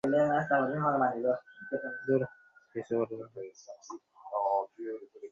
আপনার ডলার আমি নিতে পারছি না।